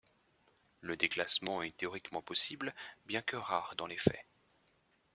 Le déclassement est théoriquement possible, bien que rare dans les faits.